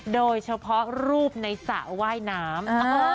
โดยเฉพาะรูปในสระว่ายน้ำ